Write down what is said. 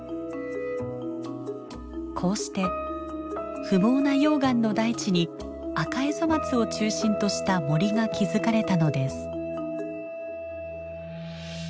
こうして不毛な溶岩の大地にアカエゾマツを中心とした森が築かれたのです。